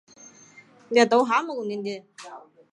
斑眼蝶属是蛱蝶科眼蝶亚科帻眼蝶族中的一个属。